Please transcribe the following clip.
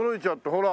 ほら！